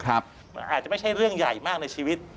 มันอาจจะไม่ใช่เรื่องใหญ่มากในชีวิต